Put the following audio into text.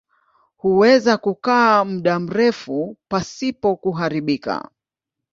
Huweza kukaa muda mrefu pasipo kuharibika.